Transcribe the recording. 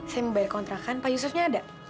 saya mau bayar kontrakan pak yusufnya ada